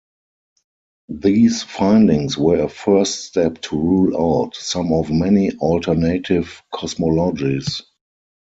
These findings were a first step to rule out some of many alternative cosmologies.